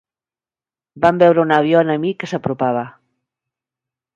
Vam veure un avió enemic que s'apropava